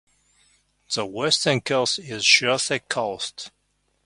The western coast is Shirase Coast.